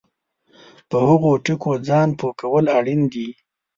په هغو ټکو ځان پوه کول اړین دي